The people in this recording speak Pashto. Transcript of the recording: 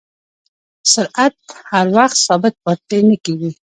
سرعت هر وخت ثابت پاتې نه کېږي.